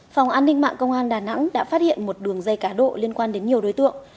phòng an ninh mạng công an đà nẵng đã phát hiện một đường dây cá độ liên quan đến nhiều đối tượng